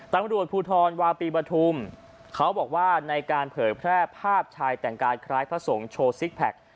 ตำรวจภูทรวาปีปฐุมเขาบอกว่าในการเผยแพร่ภาพชายแต่งกายคล้ายพระสงฆ์โชว์ซิกแพค